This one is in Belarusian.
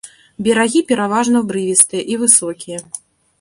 Берагі пераважна абрывістыя і высокія.